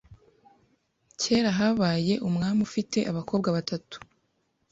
Kera habaye umwami ufite abakobwa batatu.